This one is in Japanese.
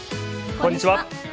こんにちは。